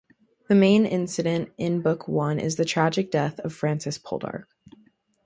The main incident in Book One is the tragic death of Francis Poldark.